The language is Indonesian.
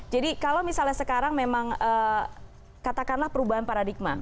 jadi kalau misalnya sekarang memang katakanlah perubahan paradigma